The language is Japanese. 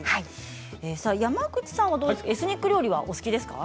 山口さんはエスニック料理はお好きですか？